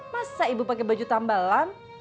masa ibu pakai baju tambalan